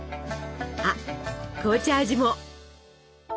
あっ紅茶味も！